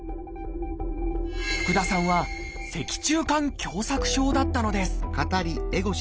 福田さんは「脊柱管狭窄症」だったのです。